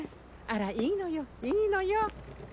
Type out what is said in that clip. あらいいのよいいのよ。